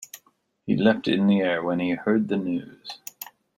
He leapt in the air when he heard the news.